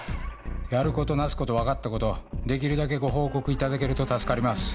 やることなすこと分かったことできるだけご報告いただけると助かります。